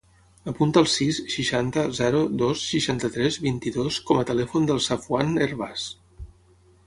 Apunta el sis, seixanta, zero, dos, seixanta-tres, vint-i-dos com a telèfon del Safwan Hervas.